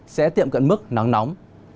sẽ tiệm cận mức nắng nóng